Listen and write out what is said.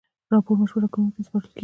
راپور مشوره ورکوونکي ته سپارل کیږي.